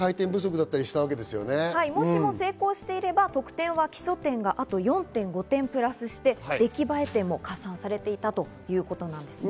もしも成功していれば、得点は基礎点があと４．５点プラスして出来栄え点も加算されていたということなんですね。